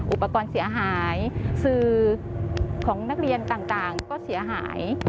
อุปกรณ์เสียหายสื่อของนักเรียนต่างก็เสียหาย